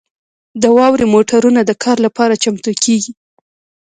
د واورې موټرونه د کار لپاره چمتو کیږي